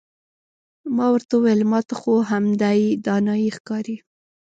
ما ورته وویل ما ته خو همدایې دانایي ښکاري.